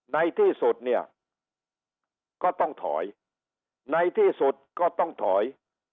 ในที่สุดเนี่ยก็ต้องถอยในที่สุดก็ต้องถอย